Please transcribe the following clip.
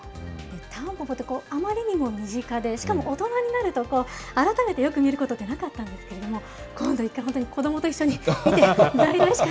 タンポポって、あまりにも身近で、しかも大人になると改めてよく見ることってなかったんですけれども、今度子どもと一緒に見て。